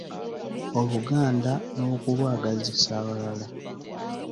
Oluganda n’okulwagazisa abalala